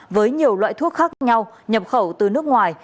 với nhiều loại thuốc khác nhau nhập khẩu từ nước ngoài